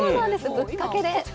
ぶっかけで。